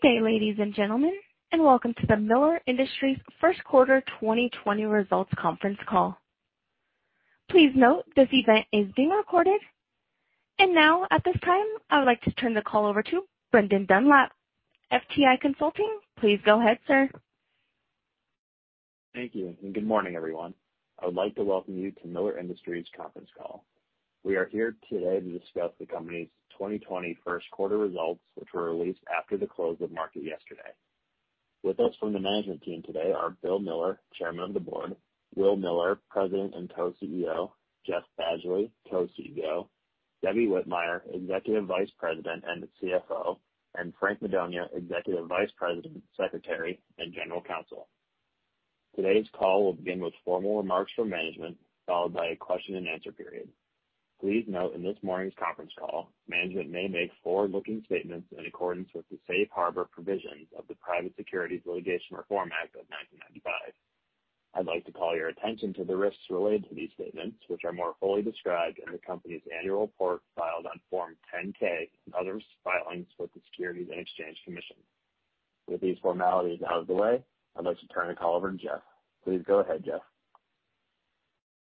Good day, ladies and gentlemen, and welcome to the Miller Industries first quarter 2020 results conference call. Please note, this event is being recorded. At this time, I would like to turn the call over to Brendan Dunlap. FTI Consulting, please go ahead, sir. Thank you, good morning, everyone. I would like to welcome you to Miller Industries' conference call. We are here today to discuss the company's 2020 first quarter results, which were released after the close of market yesterday. With us from the management team today are Bill Miller, Chairman of the Board, Will Miller, President and Co-CEO, Jeff Badgley, Co-CEO, Debbie Whitmire, Executive Vice President and CFO, and Frank Madonia, Executive Vice President, Secretary, and General Counsel. Today's call will begin with formal remarks from management, followed by a question and answer period. Please note, in this morning's conference call, management may make forward-looking statements in accordance with the safe harbor provisions of the Private Securities Litigation Reform Act of 1995. I'd like to call your attention to the risks related to these statements, which are more fully described in the company's annual report filed on Form 10-K and others filings with the Securities and Exchange Commission. With these formalities out of the way, I'd like to turn the call over to Jeff. Please go ahead, Jeff.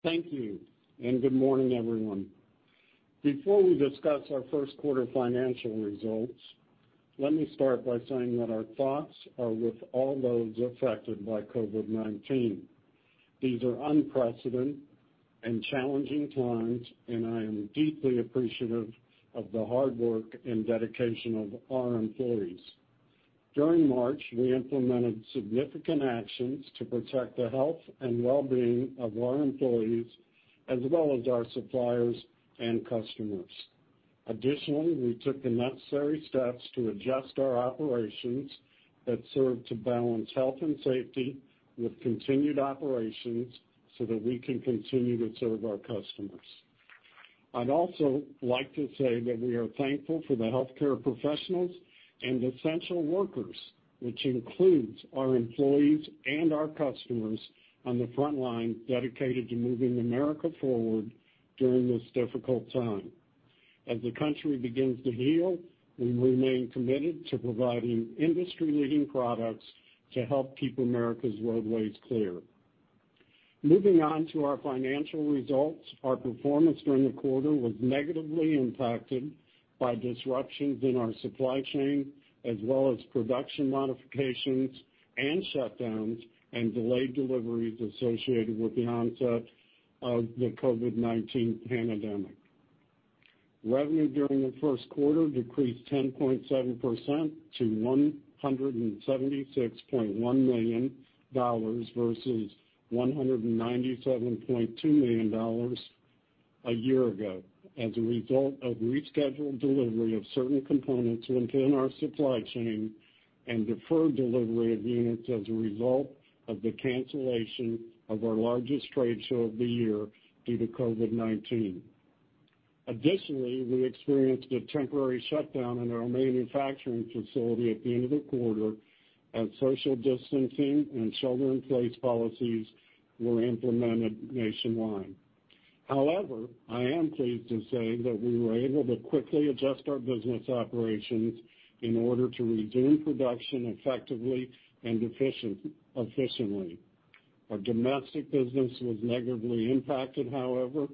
Thank you. Good morning, everyone. Before we discuss our first quarter financial results, let me start by saying that our thoughts are with all those affected by COVID-19. These are unprecedented and challenging times, and I am deeply appreciative of the hard work and dedication of our employees. During March, we implemented significant actions to protect the health and well-being of our employees, as well as our suppliers and customers. Additionally, we took the necessary steps to adjust our operations that serve to balance health and safety with continued operations so that we can continue to serve our customers. I'd also like to say that we are thankful for the healthcare professionals and essential workers, which includes our employees and our customers on the front line dedicated to moving America forward during this difficult time. As the country begins to heal, we remain committed to providing industry-leading products to help keep America's roadways clear. Moving on to our financial results, our performance during the quarter was negatively impacted by disruptions in our supply chain, as well as production modifications and shutdowns and delayed deliveries associated with the onset of the COVID-19 pandemic. Revenue during the first quarter decreased 10.7% to $176.1 million versus $197.2 million a year ago as a result of rescheduled delivery of certain components within our supply chain and deferred delivery of units as a result of the cancellation of our largest trade show of the year due to COVID-19. Additionally, we experienced a temporary shutdown in our manufacturing facility at the end of the quarter as social distancing and shelter-in-place policies were implemented nationwide. However, I am pleased to say that we were able to quickly adjust our business operations in order to resume production effectively and efficiently. Our domestic business was negatively impacted, however.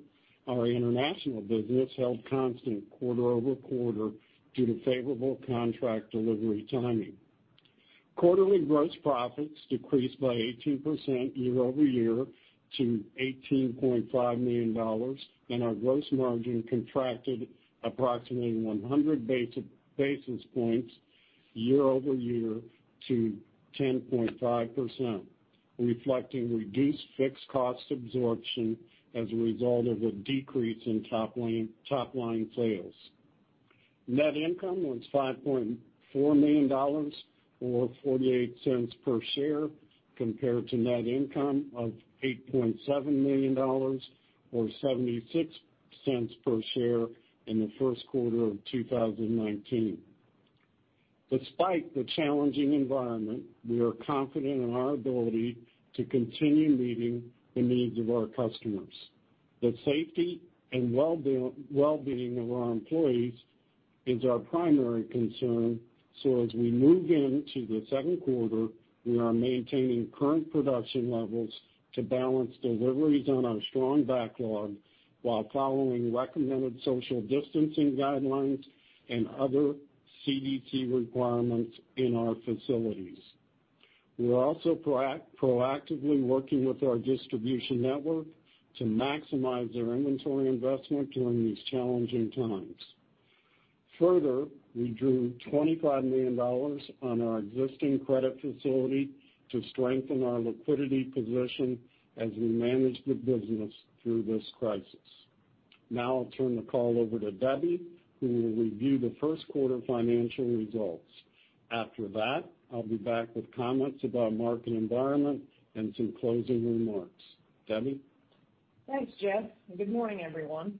Our international business held constant quarter-over-quarter due to favorable contract delivery timing. Quarterly gross profits decreased by 18% year-over-year to $18.5 million, and our gross margin contracted approximately 100 basis points year-over-year to 10.5%, reflecting reduced fixed cost absorption as a result of a decrease in top-line sales. Net income was $5.4 million, or $0.48 per share, compared to net income of $8.7 million, or $0.76 per share in the first quarter of 2019. Despite the challenging environment, we are confident in our ability to continue meeting the needs of our customers. The safety and well-being of our employees is our primary concern. As we move into the second quarter, we are maintaining current production levels to balance deliveries on our strong backlog while following recommended social distancing guidelines and other CDC requirements in our facilities. We are also proactively working with our distribution network to maximize their inventory investment during these challenging times. Further, we drew $25 million on our existing credit facility to strengthen our liquidity position as we manage the business through this crisis. Now I'll turn the call over to Debbie, who will review the first quarter financial results. After that, I'll be back with comments about market environment and some closing remarks. Debbie? Thanks, Jeff. Good morning, everyone.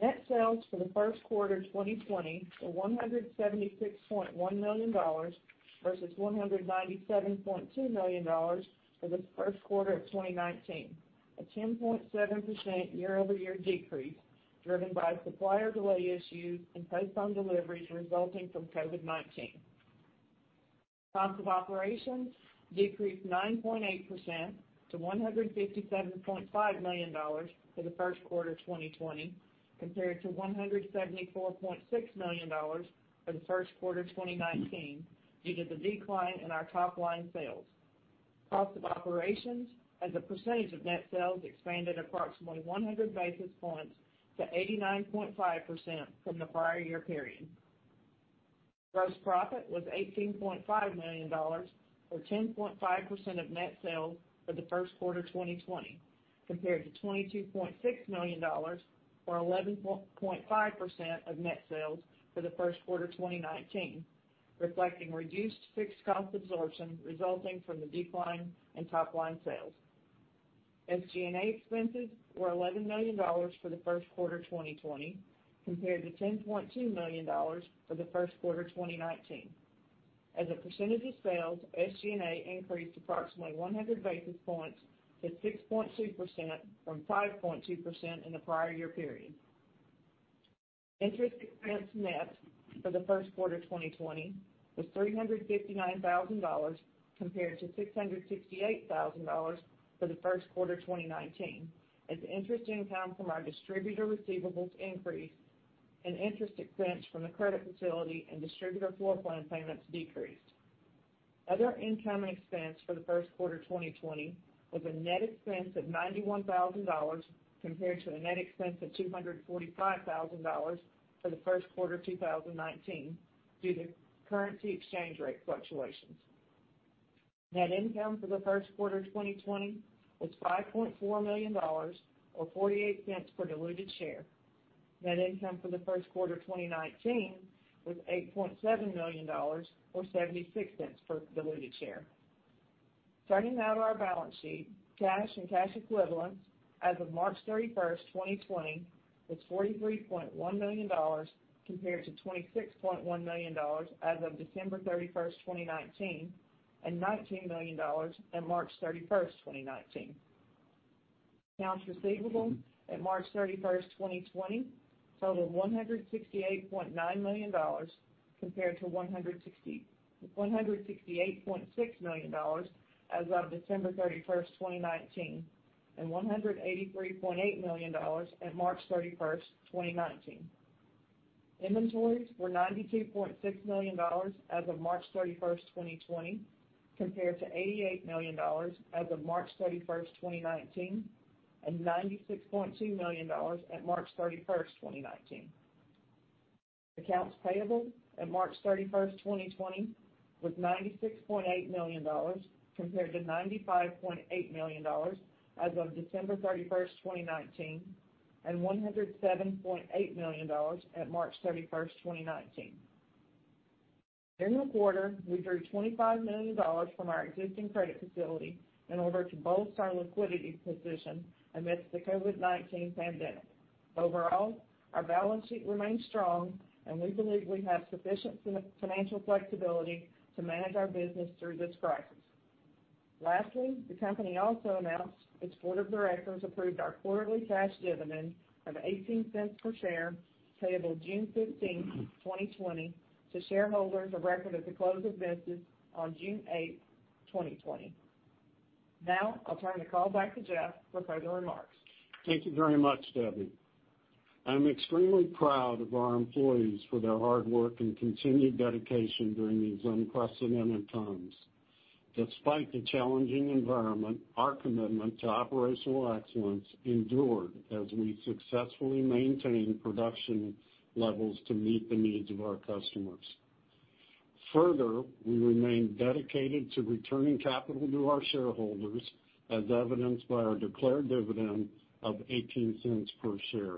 Net sales for the first quarter 2020 were $176.1 million versus $197.2 million for the first quarter of 2019, a 10.7% year-over-year decrease driven by supplier delay issues and postponed deliveries resulting from COVID-19. Cost of operations decreased 9.8% to $157.5 million for the first quarter of 2020, compared to $174.6 million for the first quarter of 2019 due to the decline in our top-line sales. Cost of operations as a percentage of net sales expanded approximately 100 basis points to 89.5% from the prior year period. Gross profit was $18.5 million, or 10.5% of net sales for the first quarter 2020, compared to $22.6 million or 11.5% of net sales for the first quarter 2019, reflecting reduced fixed cost absorption resulting from the decline in top-line sales. SG&A expenses were $11 million for the first quarter 2020 compared to $10.2 million for the first quarter of 2019. As a percentage of sales, SG&A increased approximately 100 basis points to 6.2% from 5.2% in the prior year period. Interest expense net for the first quarter of 2020 was $359,000, compared to $668,000 for the first quarter of 2019, as interest income from our distributor receivables increased and interest expense from the credit facility and distributor floor plan payments decreased. Other income and expense for the first quarter 2020 was a net expense of $91,000, compared to a net expense of $245,000 for the first quarter of 2019, due to currency exchange rate fluctuations. Net income for the first quarter of 2020 was $5.4 million or $0.48 per diluted share. Net income for the first quarter of 2019 was $8.7 million or $0.76 per diluted share. Turning now to our balance sheet. Cash and cash equivalents as of March 31st, 2020 was $43.1 million, compared to $26.1 million as of December 31st, 2019, and $19 million at March 31st, 2019. Accounts receivable at March 31st, 2020 totaled $168.9 million, compared to $168.6 million as of December 31st, 2019, and $183.8 million at March 31st, 2019. Inventories were $92.6 million as of March 31st, 2020, compared to $88 million as of March 31st, 2019, and $96.2 million at March 31st, 2019. Accounts payable at March 31st, 2020 was $96.8 million, compared to $95.8 million as of December 31st, 2019, and $107.8 million at March 31st, 2019. During the quarter, we drew $25 million from our existing credit facility in order to bolster our liquidity position amidst the COVID-19 pandemic. Overall, our balance sheet remains strong, and we believe we have sufficient financial flexibility to manage our business through this crisis. Lastly, the company also announced its board of directors approved our quarterly cash dividend of $0.18 per share payable June 15th, 2020 to shareholders of record at the close of business on June 8th, 2020. Now, I'll turn the call back to Jeff for closing remarks. Thank you very much, Debbie. I'm extremely proud of our employees for their hard work and continued dedication during these unprecedented times. Despite the challenging environment, our commitment to operational excellence endured as we successfully maintained production levels to meet the needs of our customers. Further, we remain dedicated to returning capital to our shareholders, as evidenced by our declared dividend of $0.18 per share.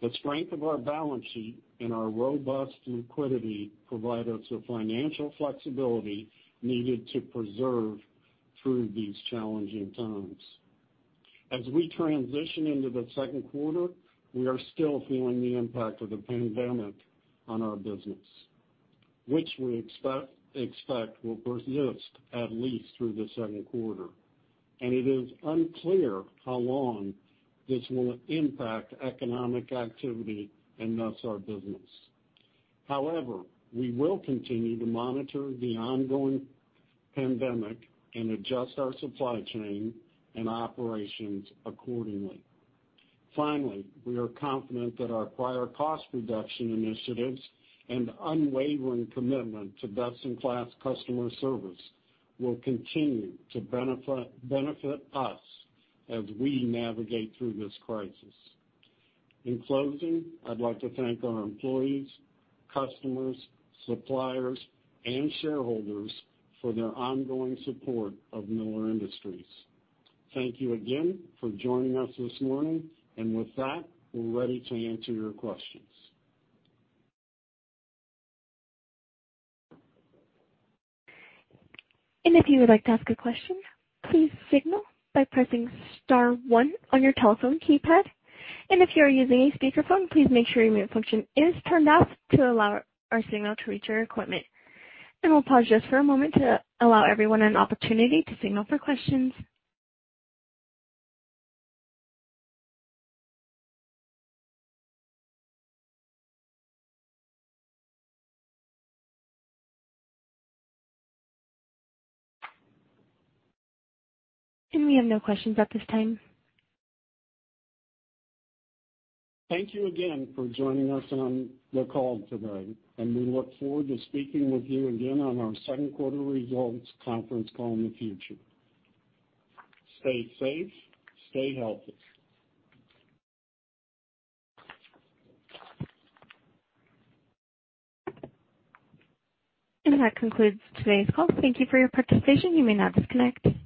The strength of our balance sheet and our robust liquidity provide us the financial flexibility needed to preserve through these challenging times. As we transition into the second quarter, we are still feeling the impact of the pandemic on our business, which we expect will persist at least through the second quarter, and it is unclear how long this will impact economic activity and thus our business. However, we will continue to monitor the ongoing pandemic and adjust our supply chain and operations accordingly. Finally, we are confident that our prior cost reduction initiatives and unwavering commitment to best-in-class customer service will continue to benefit us as we navigate through this crisis. In closing, I'd like to thank our employees, customers, suppliers, and shareholders for their ongoing support of Miller Industries. Thank you again for joining us this morning. With that, we're ready to answer your questions. If you would like to ask a question, please signal by pressing star one on your telephone keypad. If you are using a speakerphone, please make sure your mute function is turned off to allow our signal to reach our equipment. We'll pause just for a moment to allow everyone an opportunity to signal for questions. We have no questions at this time. Thank you again for joining us on the call today, and we look forward to speaking with you again on our second quarter results conference call in the future. Stay safe. Stay healthy. That concludes today's call. Thank you for your participation. You may now disconnect.